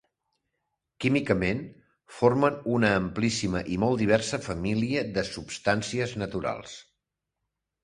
Químicament, formen una amplíssima i molt diversa família de substàncies naturals.